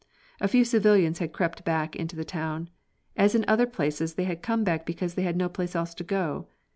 A few civilians had crept back into the town. As in other places, they had come back because they had no place else to go.